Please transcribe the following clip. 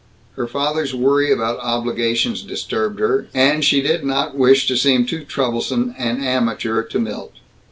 Her father's worry about obligations disturbed her, and she did not wish to seem too troublesome an amateur to Milt.